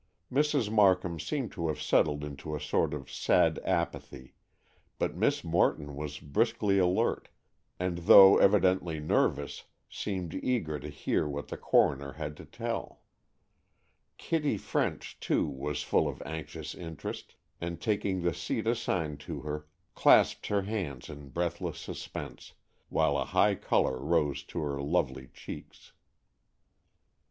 Mrs. Markham seemed to have settled into a sort of sad apathy, but Miss Morton was briskly alert and, though evidently nervous, seemed eager to hear what the coroner had to tell. Kitty French, too, was full of anxious interest, and, taking the seat assigned to her, clasped her little hands in breathless suspense, while a high color rose to her lovely cheeks.